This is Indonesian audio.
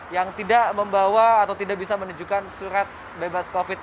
yang tidak membawa atau tidak bisa menunjukkan surat bebas covid sembilan